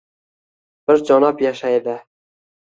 bir janob yashaydi.